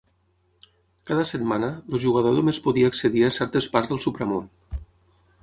Cada setmana, el jugador només podia accedir a certes parts del "supramón".